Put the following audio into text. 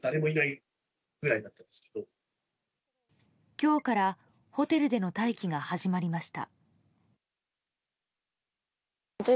今日からホテルでの待機が始まりました。